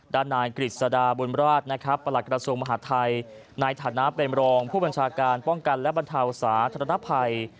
ด้านนายกฤษฎาบุญราชนะครับประหลักกระทรวงมหาทัยในฐานะเป็นรองผู้บัญชาการป้องกันและบรรเทาสาธารณภัย